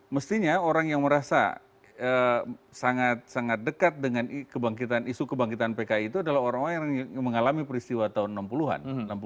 mestinya orang yang merasa sangat sangat dekat dengan isu kebangkitan pki itu adalah orang orang yang mengalami peristiwa tahun enam puluh an